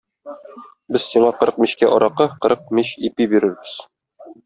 Без сиңа кырык мичкә аракы, кырык мич ипи бирербез.